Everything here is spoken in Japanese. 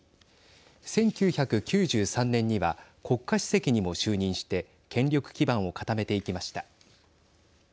１９９３年には国家主席にも就任して権力基盤を固めていきました。